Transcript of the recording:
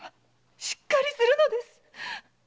しっかりするのです。